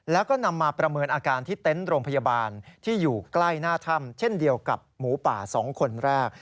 แล้วก็นำมาประเมินอาการที่เต็นต์โรงพยาบาลที่อยู่ใกล้หน้าถ้ำเช่นเดียวกับหมูป่า๒คนแรก